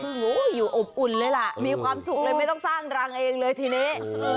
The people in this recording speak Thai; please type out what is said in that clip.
อยู่อบอุ่นเลยล่ะมีความสุขเลยไม่ต้องสร้างรังเองเลยทีนี้